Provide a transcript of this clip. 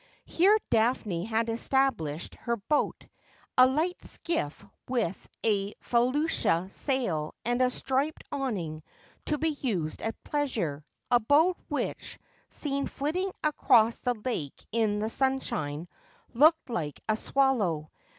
Here Daphne had established her boat, a light skiff with a felucca sail and a striped awning, to be used at pleasure ; a boat which, seen flitting across the lake in the sunshine, looked like a swallow.